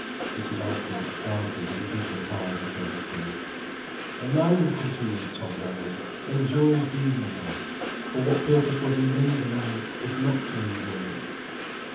Mrs. Alfred darted indignant eyes at her husband. "A man," continued Tom Brangwen, "enjoys being a man: for what purpose was he made a man, if not to enjoy it?"